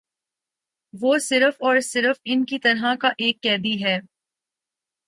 وہ صرف اور صرف ان کی طرح کا ایک قیدی ہے ا